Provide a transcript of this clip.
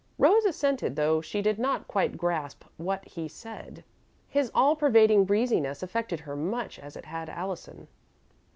Rose assented, though she did not quite grasp what he said. His all pervading breeziness affected her much as it had Allison.